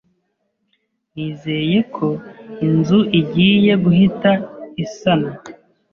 nizeye ko inzu igiye guhita isanwa,